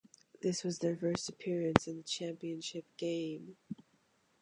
This was their first appearance in the championship game.